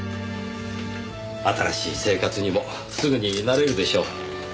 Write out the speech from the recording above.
新しい生活にもすぐに慣れるでしょう。